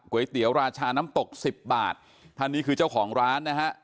เตี๋ยวราชาน้ำตกสิบบาทท่านนี้คือเจ้าของร้านนะฮะ